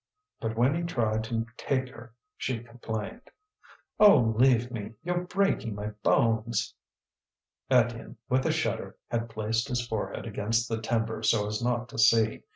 But when he tried to take her she complained. "Oh, leave me! you're breaking my bones." Étienne, with a shudder, had placed his forehead against the timber so as not to see.